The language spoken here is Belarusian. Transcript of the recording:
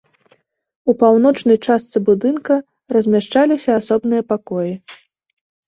У паўночнай частцы будынка размяшчаліся асобныя пакоі.